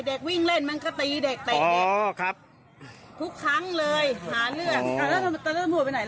เด็กวิ่งเล่นมันก็ตีเด็กตายเด็กอ๋อครับทุกครั้งเลยหาเรื่อง